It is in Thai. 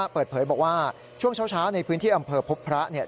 เปิดเผยบอกว่าช่วงเช้าในพื้นที่อำเภอพบพระเนี่ย